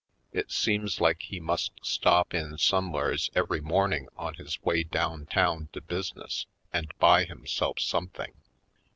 It seems like he must stop in some wheres every morning on his way down town to business and buy himself some thing.